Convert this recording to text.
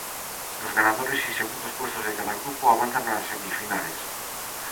Los ganadores y segundos puestos de cada grupo avanzan a las semifinales.